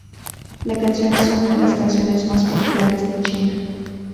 La canción es una de las canciones más populares de China.